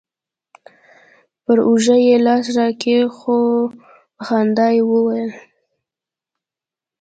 پر اوږه يې لاس راكښېښوو په خندا يې وويل.